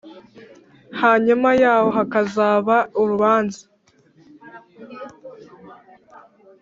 hanyuma yaho hakazaba urubanza,